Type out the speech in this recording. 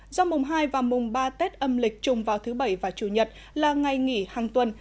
do mùng hai và mùng ba tết âm lịch trùng vào thứ bảy và chủ nhật là ngày nghỉ hàng tuần